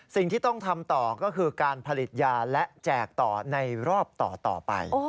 สิ่งที่ต้องทำต่อก็คือการผลิตยาและแจกต่อในรอบต่อไป